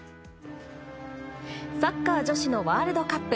サッカー女子のワールドカップ。